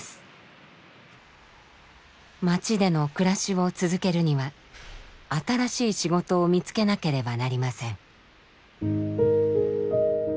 町での暮らしを続けるには新しい仕事を見つけなければなりません。